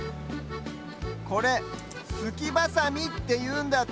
これ「すきバサミ」っていうんだって！